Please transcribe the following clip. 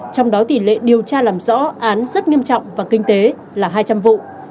trong đó tỷ lệ điều tra làm rõ án rất nghiêm trọng và kinh tế là hai trăm linh vụ